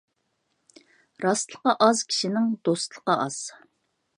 راستلىقى ئاز كىشىنىڭ دوستلۇقى ئاز.